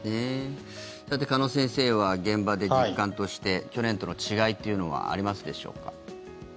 さて、鹿野先生は現場で実感として去年との違いというのはありますでしょうか。